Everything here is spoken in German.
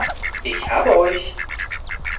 Ich habe euch!